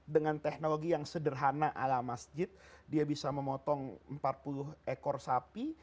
dengan teknologi yang sederhana ala masjid dia bisa memotong empat puluh ekor sapi